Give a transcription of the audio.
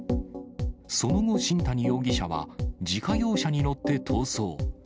その後、新谷容疑者は自家用車に乗って逃走。